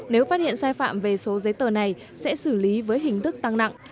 nếu phát hiện sai phạm về số giấy tờ này sẽ xử lý với hình thức tăng nặng